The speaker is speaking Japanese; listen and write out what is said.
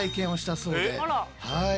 はい。